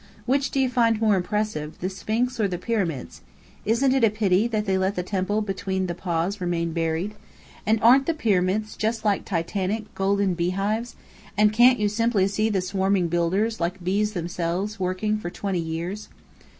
Which do you find more impressive, the Sphinx or the Pyramids? Isn't it a pity they let the temple between the paws remain buried? And aren't the Pyramids just like Titanic, golden beehives? And can't you simply see the swarming builders, like bees themselves, working for twenty years?